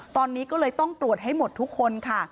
ตอนนี้ก็เลยต้องตรวจให้หมดทุกคนค่ะ